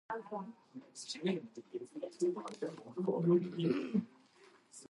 It is now common there and in some other countries.